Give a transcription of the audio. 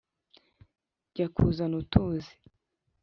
Jya kuzana utuzi